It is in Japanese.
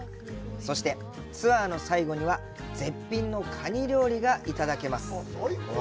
そして、ツアーの最後には絶品のカニ料理がいただけます。